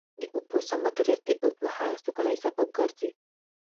د اوبو سم مدیریت د اوږدمهاله سوکالۍ سبب ګرځي.